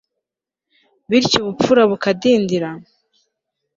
bityo ubupfura bukadindira